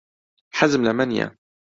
حەزم لەمە نییە.